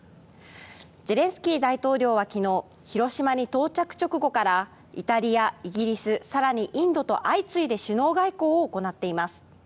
ゼレンスキー大統領は昨日広島に到着直後からイタリア、イギリス更にインドと相次いで首脳外交を行っています。